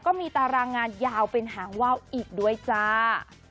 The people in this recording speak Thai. ตารางงานยาวเป็นหางว่าวอีกด้วยจ้า